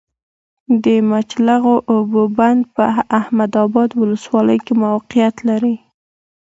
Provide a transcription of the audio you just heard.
د مچلغو اوبو بند په احمد ابا ولسوالۍ کي موقعیت لری